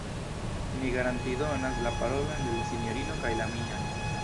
Mi garantidonas la parolon de la sinjorino kaj la mian.